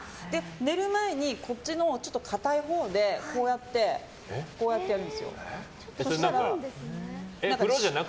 寝る前にこっちの硬いほうでこうやってやるんですよ。